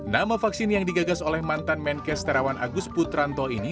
nama vaksin yang digagas oleh mantan menkes terawan agus putranto ini